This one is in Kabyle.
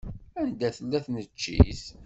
Anda tella tneččit?